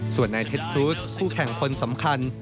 ส่วนนายเท็จครูสคู่แข่งคนสำคัญ